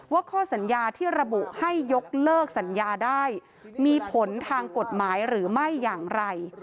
ข้อสัญญาที่ระบุให้ยกเลิกสัญญาได้มีผลทางกฎหมายหรือไม่อย่างไร